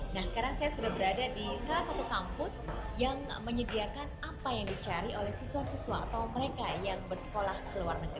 nah sekarang saya sudah berada di salah satu kampus yang menyediakan apa yang dicari oleh siswa siswa atau mereka yang bersekolah ke luar negeri